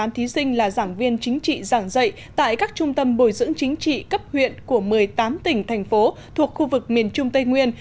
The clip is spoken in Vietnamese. một mươi thí sinh là giảng viên chính trị giảng dạy tại các trung tâm bồi dưỡng chính trị cấp huyện của một mươi tám tỉnh thành phố thuộc khu vực miền trung tây nguyên